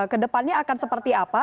kedepannya akan seperti apa